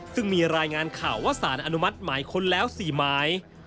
ซึ่งมีรายงานข่าวว่าสารอนุมัติหมายค้นแล้ว๔หมาย